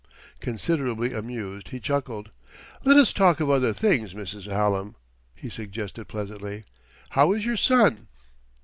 Considerably amused, he chuckled. "Let us talk of other things, Mrs. Hallam," he suggested pleasantly. "How is your son?"